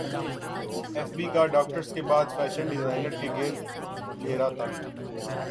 F B کا doctors کے بعد فیشن ڈیزائنرز کے گرد گھیرا تنگ